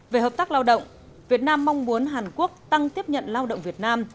về hợp tác lao động việt nam mong muốn hàn quốc tăng tiếp nhận lao động việt nam